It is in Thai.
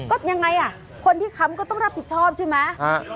ก็ยังไงอ่ะคนที่ค้ำก็ต้องรับผิดชอบใช่ไหม